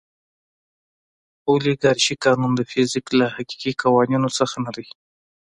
اولیګارشي قانون د فزیک له حقیقي قوانینو څخه نه دی.